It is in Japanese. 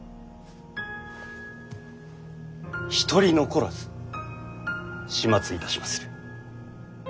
一人残らず始末いたしまする。